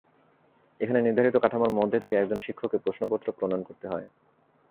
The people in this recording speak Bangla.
এখানে নির্ধারিত কাঠামোর মধ্যে থেকে একজন শিক্ষককে প্রশ্নপত্র প্রণয়ন করতে হয়।